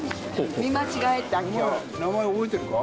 名前覚えてるか？